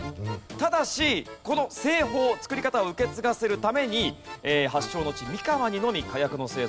ただしこの製法作り方を受け継がせるために発祥の地三河にのみ火薬の製造が許されたと。